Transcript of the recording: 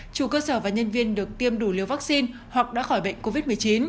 chủ cơ sở và nhân viên được tiêm đủ liều vaccine hoặc đã khỏi bệnh covid một mươi chín